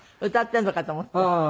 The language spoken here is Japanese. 歌ってんのかと思った。